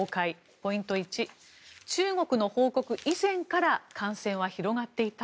ポイント１中国の報告以前から感染は広がっていた？